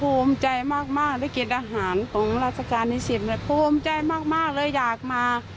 ภูมิใจมากได้กินอาหารของราชการที่๑๐เลยภูมิใจมากเลยอยากมา